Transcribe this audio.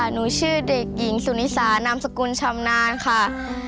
หนูชื่อเด็กหญิงสุนิสานามสกุลชำนาญค่ะ